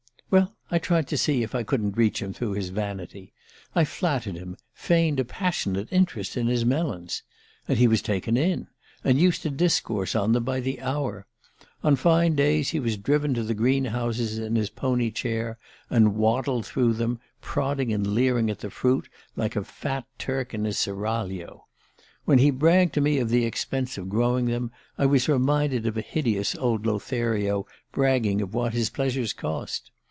"Well, I tried to see if I couldn't reach him through his vanity. I flattered him, feigned a passionate interest in his melons. And he was taken in, and used to discourse on them by the hour. On fine days he was driven to the green houses in his pony chair, and waddled through them, prodding and leering at the fruit, like a fat Turk in his seraglio. When he bragged to me of the expense of growing them I was reminded of a hideous old Lothario bragging of what his pleasures cost.